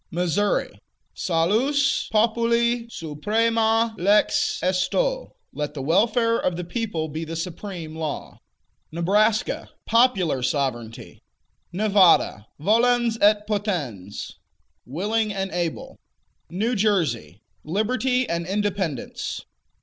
Missouri Salus populi suprema lex esto: Let the welfare of the people be the supreme law. Nebraska Popular Sovereignty. Nevada Volens et potens: Willing and able. New Jersey Liberty and Independence.